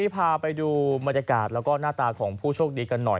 พาไปดูบรรยากาศแล้วก็หน้าตาของผู้โชคดีกันหน่อย